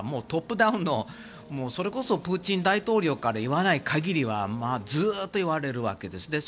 トップダウンのそれこそプーチン大統領から言わない限りはずっと言われるわけです。